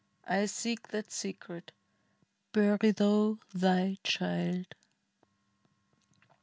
I seek that secret: bury thou thy child!"